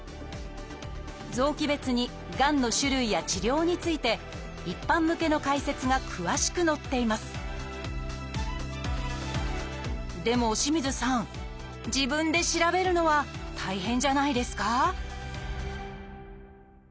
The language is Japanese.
臓器別にがんの種類や治療について一般向けの解説が詳しく載っていますでも清水さん自分で調べるのは大変じゃないですか？